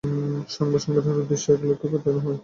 সংবাদ সংগ্রহের উদ্দেশে এক লোককে পাঠানো হয়।